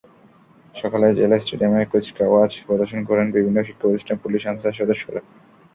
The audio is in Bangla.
সকালে জেলা স্টেডিয়ামে কুচকাওয়াজ প্রদর্শন করেন বিভিন্ন শিক্ষাপ্রতিষ্ঠান, পুলিশ, আনসার সদস্যরা।